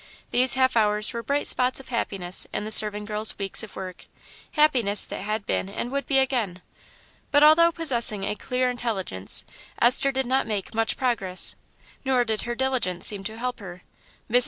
These half hours were bright spots of happiness in the serving girl's weeks of work happiness that had been and would be again. But although possessing a clear intelligence, Esther did not make much progress, nor did her diligence seem to help her. Mrs.